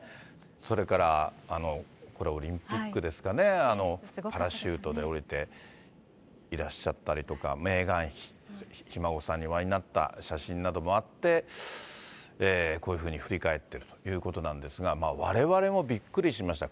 それからこれオリンピックですかね、パラシュートで下りていらっしゃったりとか、メーガン妃、ひ孫さんにお会いになった写真などもあって、こういうふうに振り返っているということなんですが、われわれもびっくりしました。